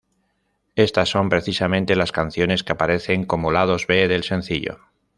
Estas son precisamente las canciones que aparecen como lados B del sencillo.